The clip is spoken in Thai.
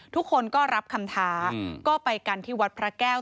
ทุกคนก็รับคำท้าก็ไปกันที่วัดพระแก้ว